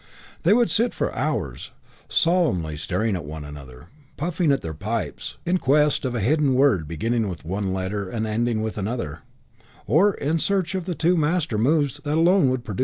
They would sit for hours solemnly staring at one another, puffing at pipes, in quest of a hidden word beginning with one letter and ending with another, or in search of the two master moves that alone would produce Mate.